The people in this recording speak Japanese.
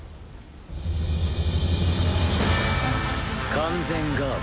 完全ガード。